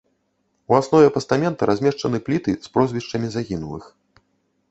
У аснове пастамента размешчаны пліты з прозвішчамі загінулых.